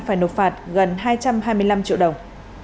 phải nộp phạt gần hai trăm hai mươi năm triệu đồng